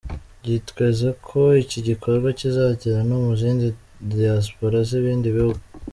Byitezweko iki gikorwa kizagera no mu zindi Diaspora z’ibindi bihugu.